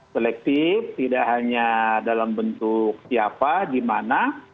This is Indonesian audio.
selektif tidak hanya dalam bentuk siapa di mana